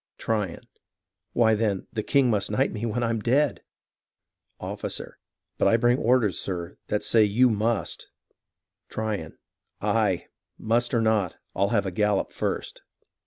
Tryon Why, then, the king must knight me when I'm dead. Officer But I bring orders, sir, which say " you must —" Tryon Aye, must or not, I'll have a gallop first.